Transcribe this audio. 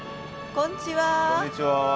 こんにちは。